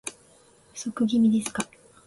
不足気味ですか